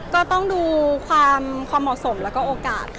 ก็ต้องดูความเหมาะสมแล้วก็โอกาสค่ะ